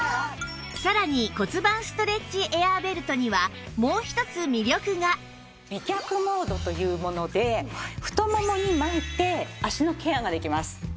さらに骨盤ストレッチエアーベルトには美脚モードというもので太ももに巻いて脚のケアができます。